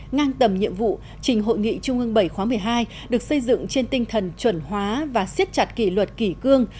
ngang tầm nhiệm vụ trình hội nghị trung ương bảy khóa một mươi hai được xây dựng trên tinh thần chuẩn hóa và siết chặt kỷ luật kỷ cương